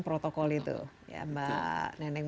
protokol itu mbak neneng